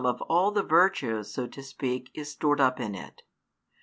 of all the virtues, so to speak, is stored up in it?